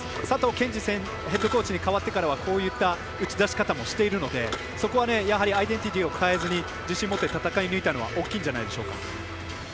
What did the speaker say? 佐藤賢次ヘッドコーチに代わってからこういった打ち出し方もしているのでそこはアイデンティティを変えずに自信を持って戦い抜いたのは大きいんじゃないでしょうか。